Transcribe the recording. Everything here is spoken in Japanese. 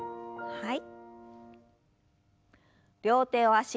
はい。